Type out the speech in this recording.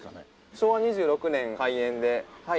昭和２６年開園ではい。